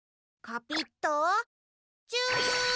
コピットチュー！